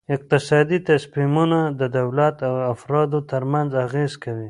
اقتصادي تصمیمونه د دولت او افرادو ترمنځ اغیز کوي.